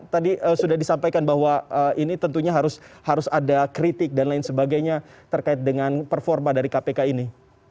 tadi sudah disampaikan bahwa ini tentunya harus ada kritik dan lain sebagainya terkait dengan performa dari kpk ini